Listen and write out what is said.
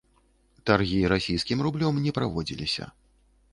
Таргі расійскім рублём не праводзіліся.